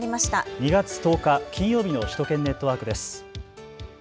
２月１０日、金曜日の首都圏ネットワークです。